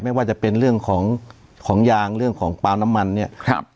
ไม่ว่าจะเป็นเรื่องของของยางเรื่องของปลาน้ำมันเนี่ยครับ